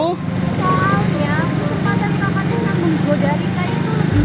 saatnya waktu tadi pak patisah mengubur dari kak itu